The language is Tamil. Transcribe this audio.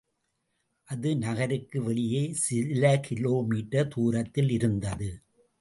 அது நகருக்கு வெளியே சில கிலோ மீட்டர் தூரத்தில் இருந்தது.